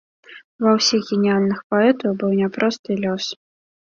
Ва ўсіх геніяльных паэтаў быў няпросты лёс.